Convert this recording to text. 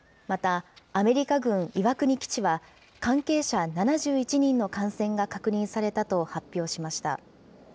またアメリカ軍岩国基地は、関係者７１人の感染が確認されたと発表しました。